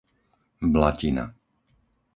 Blatina